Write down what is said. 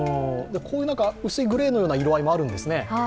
ここに薄いグレーのような色合いもあるんですね。